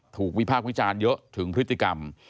ถูกวิภาควิจารณ์เยอะถึงพฤติกรรม